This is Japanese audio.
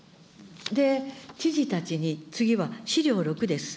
知事たちに、次は資料６です。